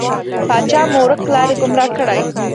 پاچا مو ورک لاری، ګمرا کړی.